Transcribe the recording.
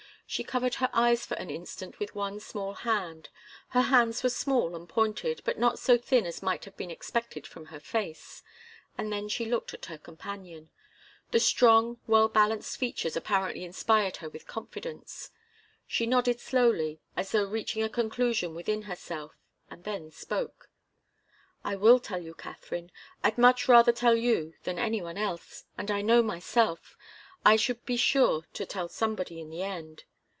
She covered her eyes for an instant with one small hand her hands were small and pointed, but not so thin as might have been expected from her face and then she looked at her companion. The strong, well balanced features apparently inspired her with confidence. She nodded slowly, as though reaching a conclusion within herself, and then spoke. "I will tell you, Katharine. I'd much rather tell you than any one else, and I know myself I should be sure to tell somebody in the end.